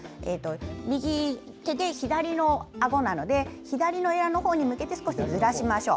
右手で、左のあごなので左のえらのほうに向けて少しずらしましょう。